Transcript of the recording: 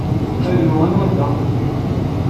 Alu, anwa ta?